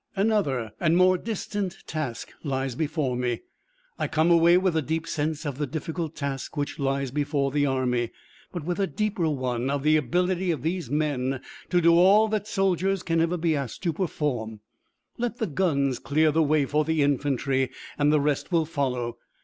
Another and more distant task lies before me. I come away with the deep sense of the difficult task which lies before the Army, but with a deeper one of the ability of these men to do all that soldiers can ever be asked to perform. Let the guns clear the way for the infantry, and the rest will follow.